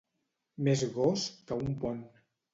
Més gos que un pont.